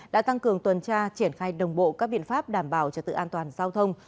đã tăng cường tuần tra triển khai đồng bộ các biện pháp đảm bảo trật tự an toàn giao thông